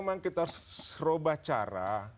memang kita harus roba cara